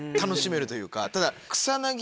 ただ。